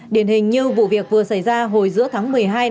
điển hình như vụ việc vừa xảy ra hồi giữa tháng một mươi hai